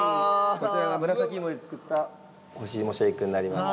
こちらがむらさき芋で作った干し芋シェイクになります。